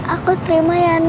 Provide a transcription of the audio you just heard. aku minta depin